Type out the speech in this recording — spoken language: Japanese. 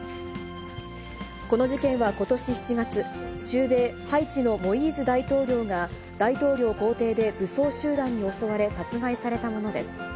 この事件はことし７月、中米ハイチのモイーズ大統領が、大統領公邸で武装集団に襲われ殺害されたものです。